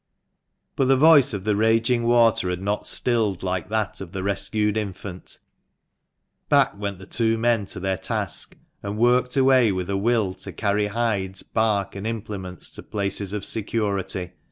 But the voice of the raging water had not stilled like that of the rescued infant. Back went the two men to their task, and worked away with a will to carry hides, bark, and implements to places of security.